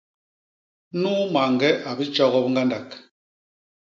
Nuu mañge a bitjogop ñgandak.